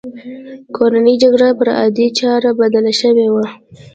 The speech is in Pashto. کورنۍ جګړه پر عادي چاره بدله شوې وه.